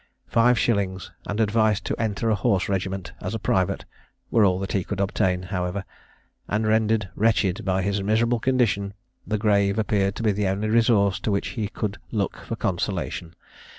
Five shillings, and advice to enter a horse regiment as a private, were all that he could obtain, however, and rendered wretched by his miserable condition, the grave appeared to be the only resource to which he could look for consolation.